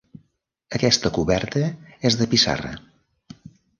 Aquesta coberta és de pissarra.